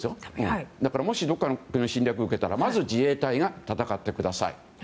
だからもしどこかの国から侵略を受けたらまず自衛隊が戦ってください。